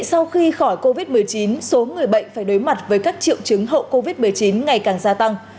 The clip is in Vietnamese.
sau khi khỏi covid một mươi chín số người bệnh phải đối mặt với các triệu chứng hậu covid một mươi chín ngày càng gia tăng